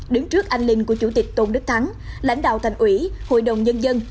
đứng trước anh linh của chủ tịch tôn đức thắng lãnh đạo thành ủy hội đồng nhân dân